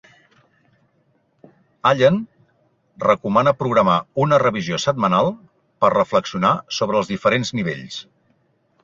Allen recomana programar una revisió setmanal per reflexionar sobre els diferents nivells.